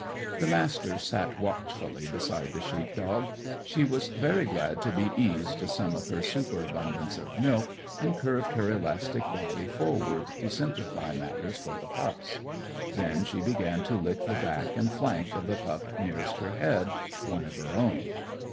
The Master sat watchfully beside the sheep dog. She was very glad to be eased of some of her superabundance of milk, and curved her elastic body forward to simplify matters for the pups. Then she began to lick the back and flank of the pup nearest her head; one of her own.